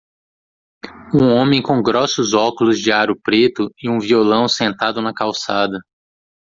Um homem com grossos óculos de aro preto e um violão sentado na calçada.